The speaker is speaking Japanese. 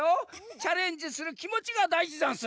チャレンジするきもちがだいじざんす！